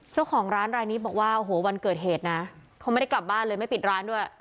เจ้าของร้านรายนี้บอกว่าโอ้โหวันเกิดเหตุนะเขาไม่ได้กลับบ้านเลยไม่ปิดร้านด้วย